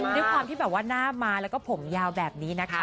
ด้วยความที่แบบว่าหน้าม้าแล้วก็ผมยาวแบบนี้นะคะ